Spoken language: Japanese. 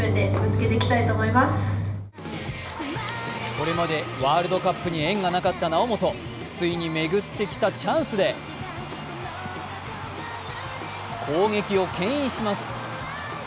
これまでワールドカップに縁がなかった猶本、ついに巡ってきたチャンスで攻撃を牽引します。